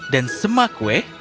dan semak kue